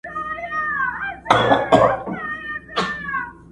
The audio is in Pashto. جاله هم سوله پر خپل لوري روانه٫